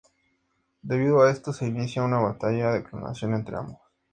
Debido a esto se inicia una batalla de clonación entre ambos.